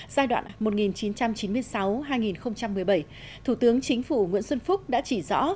giai đoạn một nghìn chín trăm chín mươi sáu hai nghìn một mươi bảy thủ tướng chính phủ nguyễn xuân phúc đã chỉ rõ